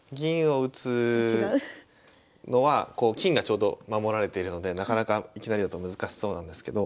違う？のはこう金がちょうど守られているのでなかなかいきなりだと難しそうなんですけど。